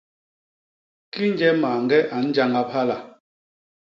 Kinje mañge a njañap hala!